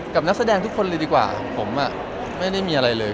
นักแสดงทุกคนเลยดีกว่าผมไม่ได้มีอะไรเลย